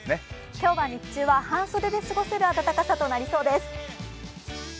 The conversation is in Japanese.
今日は日中は半袖で過ごせる暖かさとなりそうです。